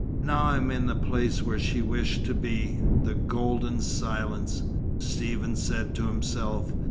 "Now I am in the place where she wished to be: the golden silence," Stephen said to himself.